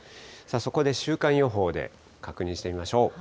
そこで週間予報で確認してみまし